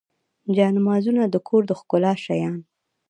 جانمازونه د کور د ښکلا شیان.